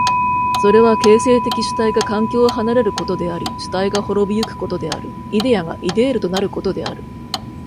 それは形成的主体が環境を離れることであり主体が亡び行くことである、イデヤがイデールとなることである。